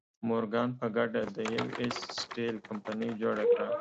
مورګان په ګډه د یو ایس سټیل کمپنۍ جوړه کړه.